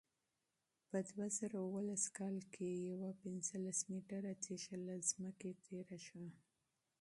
په دوه زره اوولس کال کې یوه پنځلس متره تېږه له ځمکې تېره شوه.